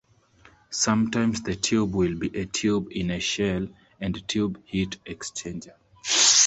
Sometimes the tube will be a tube in a shell and tube heat exchanger.